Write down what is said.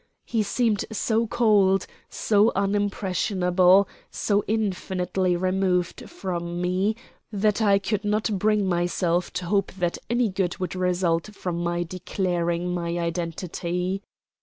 He seemed so cold, so unimpressionable, so infinitely removed from me, that I could not bring myself to hope that any good would result from my declaring my identity.